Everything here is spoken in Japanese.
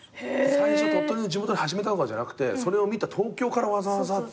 最初鳥取の地元で始めたとかじゃなくてそれを見た東京からわざわざ。